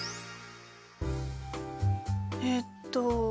えっと